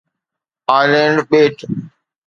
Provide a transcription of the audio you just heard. Aland ٻيٽ